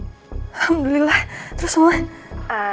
alhamdulillah terus mama